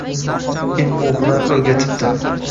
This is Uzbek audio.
Ilmu hunar o‘rgatibdi